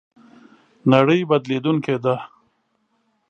نړۍ بدلېدونکې ده